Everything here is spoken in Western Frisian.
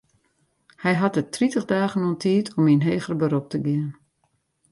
Hy hat it tritich dagen oan tiid om yn heger berop te gean.